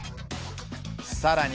さらに。